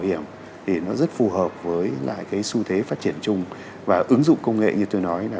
điểm thì nó rất phù hợp với lại cái xu thế phát triển chung và ứng dụng công nghệ như tôi nói là